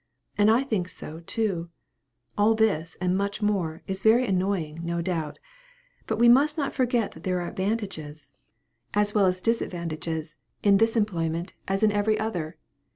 And I think so, too. All this, and much more, is very annoying, no doubt. But we must not forget that there are advantages, as well as disadvantages, in this employment, as in every other.